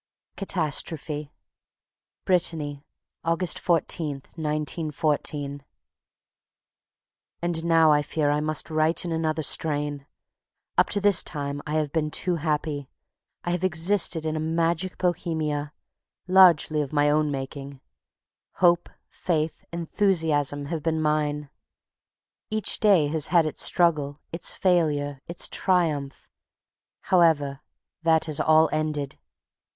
Catastrophe Brittany, August 14, 1914. And now I fear I must write in another strain. Up to this time I have been too happy. I have existed in a magic Bohemia, largely of my own making. Hope, faith, enthusiasm have been mine. Each day has had its struggle, its failure, its triumph. However, that is all ended.